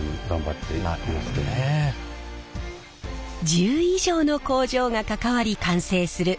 １０以上の工場が関わり完成する一枚の手ぬぐい。